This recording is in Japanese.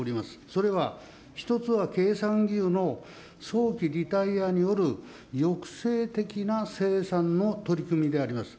それは、１つは経産牛の早期リタイアによる抑制的な生産の取り組みであります。